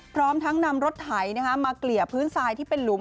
พร้อมทั้งนำรถไถมาเกลี่ยพื้นทรายที่เป็นหลุม